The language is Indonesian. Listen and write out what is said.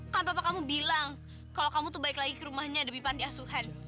kan papa kamu bilang kalau kamu tuh balik lagi ke rumahnya demi panti asuhan